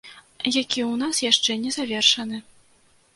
Які ў нас яшчэ не завершаны.